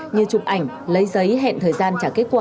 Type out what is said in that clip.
như chụp ảnh lấy giấy hẹn thời gian trả kết quả